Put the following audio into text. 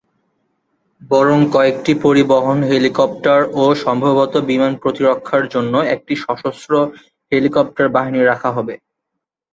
বরং কয়েকটি পরিবহন হেলিকপ্টার ও সম্ভবত বিমান প্রতিরক্ষার জন্য একটি সশস্ত্র হেলিকপ্টার বাহিনী রাখা হবে।